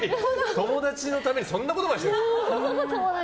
友達のためにそんなことしてくれるの。